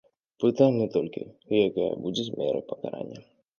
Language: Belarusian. Пытанне толькі, якая будзе мера пакарання.